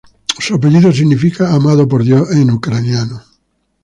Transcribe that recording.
Su apellido significa "amado por Dios" en ucraniano.